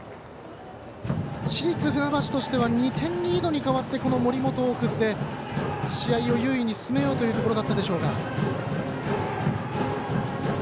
市立船橋としては２点リードに変わって森本を送って試合を優位に進めようというところでしたでしょうか。